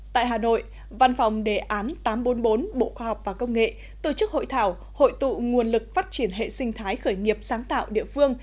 tại hà nội văn phòng đề án tám trăm bốn mươi bốn bộ khoa học và công nghệ tổ chức hội thảo hội tụ nguồn lực phát triển hệ sinh thái khởi nghiệp sáng tạo địa phương